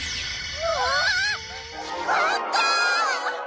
うわっひかった！